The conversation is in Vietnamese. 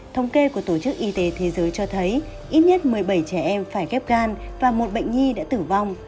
thống kê của tổ chức y tế thế giới cho thấy ít nhất một mươi bảy trẻ em phải ghép gan và một bệnh nhi đã tử vong